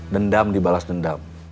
dendam dibalas dendam